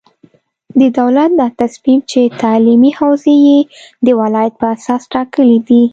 د دولت دا تصمیم چې تعلیمي حوزې یې د ولایت په اساس ټاکلې دي،